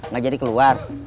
gak jadi keluar